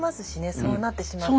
そうなってしまった。